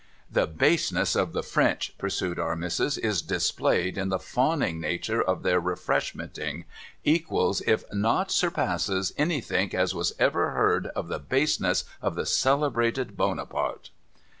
' The baseness of the French,' pursued Our Missis, ' as displayed in the fawning nature of their Refreshmenting, equals, if not sur passes, anythink as was ever heard of the baseness of the celebrated Bonaparte.'